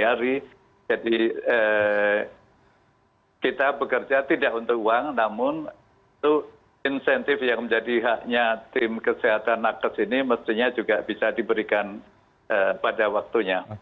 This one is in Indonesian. jadi kita bekerja tidak untuk uang namun itu insentif yang menjadi haknya tim kesehatan nakas ini mestinya juga bisa diberikan pada waktunya